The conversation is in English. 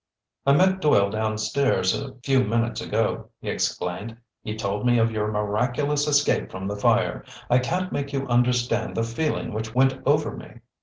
"I met Doyle downstairs a few minutes ago," he explained. "He told me of your miraculous escape from the fire! I can't make you understand the feeling which went over me."